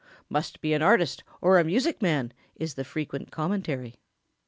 "Must be an artist or a music man," is the frequent commentary.